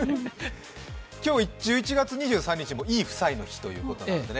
今日１１月２３日も、いい夫妻の日ということなんですね。